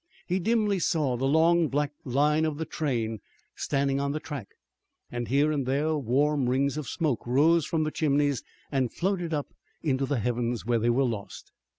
He dimly saw the long black line of the train standing on the track, and here and there warm rings of smoke rose from the chimneys and floated up into the heavens, where they were lost.